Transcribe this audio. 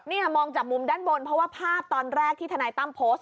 นี่มองจากมุมด้านบนเพราะว่าภาพตอนแรกที่ทนายตั้มโพสต์